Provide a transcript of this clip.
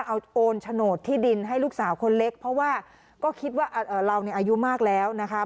เอาโอนโฉนดที่ดินให้ลูกสาวคนเล็กเพราะว่าก็คิดว่าเราเนี่ยอายุมากแล้วนะคะ